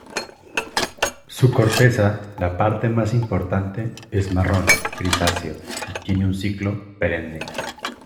Su corteza, la parte más importante, es marrón grisáceo y tiene un ciclo perenne.